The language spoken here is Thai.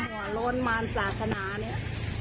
หัวโรนมานสาขนาเนี่ย